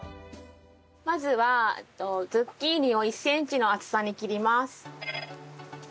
まずはズッキーニを１センチの厚さに切ります。